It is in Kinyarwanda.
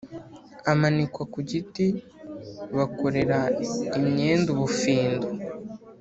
Amanikwa kugiti bakorera imyenda ubufindu